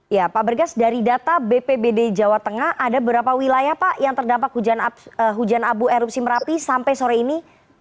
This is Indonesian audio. ya pak bergas dari data bpbd jawa tengah ada berapa wilayah pak yang terdampak hujan abu erupsi merapi sampai sore ini